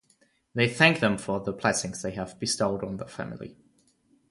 They thank them for the blessings they have bestowed on the family.